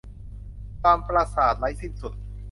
ความประสาทไร้สิ้นสุด